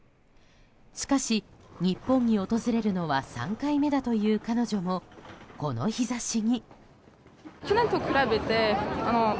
しかし、日本に訪れるのは３回目だという彼女もこの日差しに。